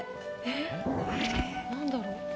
・えっ何だろう？